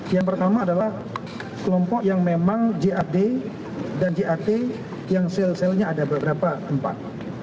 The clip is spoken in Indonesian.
yang pertama adalah kelompok yang memang jad dan jat yang sel selnya ada beberapa tempat